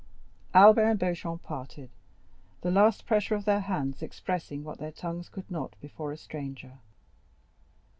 Albert and Beauchamp parted, the last pressure of their hands expressing what their tongues could not before a stranger.